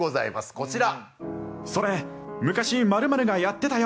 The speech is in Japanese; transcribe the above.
こちら。